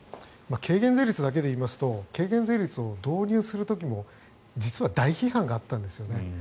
軽減税率だけで言いますと軽減税率を導入する時も実は大批判があったんです。